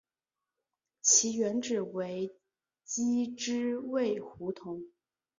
其原址为机织卫胡同。